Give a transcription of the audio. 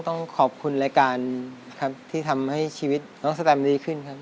ต้องขอบคุณรายการครับที่ทำให้ชีวิตน้องสแตมดีขึ้นครับ